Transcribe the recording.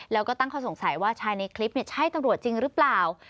แล้วก็ตั้งข้อสงสัยว่าชายในคลิปใช่ตำรวจจริงหรือเปล่า